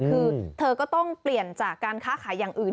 คือเธอก็ต้องเปลี่ยนจากการค้าขายอย่างอื่น